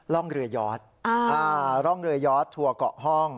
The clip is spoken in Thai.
ร่องเรือยอดทั่วเกาะห้อง